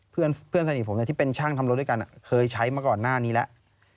เพื่อนสนิทผมที่เป็นช่างทำรถด้วยกันเคยใช้มาก่อนหน้านี้แล้ว